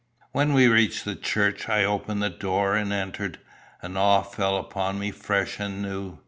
When we reached the church, I opened the door and entered. An awe fell upon me fresh and new.